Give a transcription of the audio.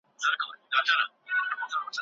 څېړونکي باید لومړی کوم ګام پورته کړي؟